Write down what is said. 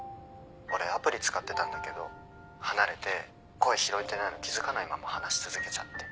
俺アプリ使ってたんだけど離れて声拾えてないの気付かないまま話し続けちゃって。